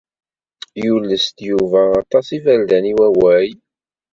Yules-d Yuba aṭas iberdan i wawal.